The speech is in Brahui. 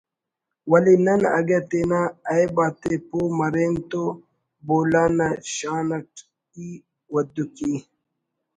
ولے نن اگہ تینا عیب آتے پہہ مرین تو بولان نا شان اٹ ہی ودّکی